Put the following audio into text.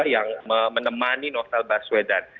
yang menemani novel baswedan